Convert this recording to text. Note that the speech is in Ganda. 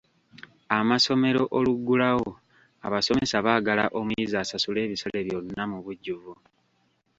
Amasomero oluggulawo, abasomesa baagala omuyizi asasule ebisale byonna mu bujjuvu.